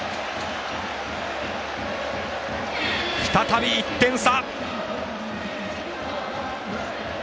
再び１点差。